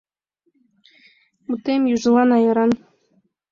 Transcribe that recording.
Мутем южылан аяран.